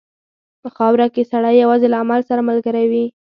په خاوره کې سړی یوازې له عمل سره ملګری وي.